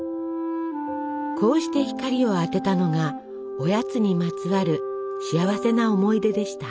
こうして光を当てたのがおやつにまつわる幸せな思い出でした。